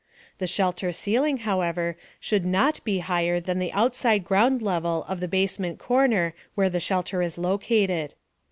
The shelter ceiling, however, should not be higher than the outside ground level of the basement corner where the shelter is located.